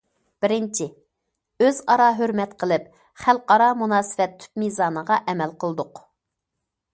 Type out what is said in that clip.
بىرىنچى، ئۆزئارا ھۆرمەت قىلىپ، خەلقئارا مۇناسىۋەت تۈپ مىزانىغا ئەمەل قىلدۇق.